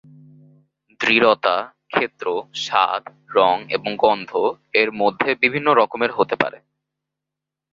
দৃঢ়তা, ক্ষেত্র, স্বাদ, রঙ, এবং গন্ধ এর মধ্যে বিভিন্ন রকমের হতে পারে।